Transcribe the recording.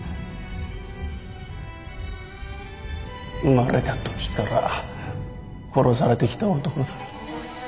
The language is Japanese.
生まれた時から殺されてきた男だ。